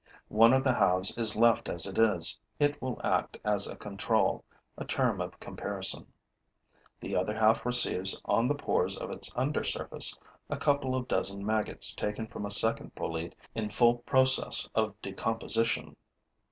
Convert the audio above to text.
One of the halves is left as it is: it will act as a control, a term of comparison. The other half receives on the pores of its undersurface a couple of dozen maggots taken from a second bolete in full process of decomposition.